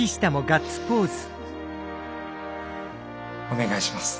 お願いします。